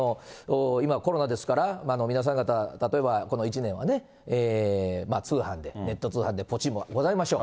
今、コロナですから、皆さん方、例えばこの１年はね、通販で、ネット通販でポチもございましょう。